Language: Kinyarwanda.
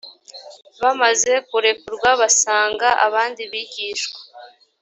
bamaze kurekurwa basanga abandi bigishwa .